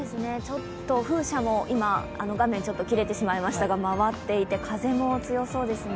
風車も画面、切れてしまいましたが、回っていて風も強そうですね。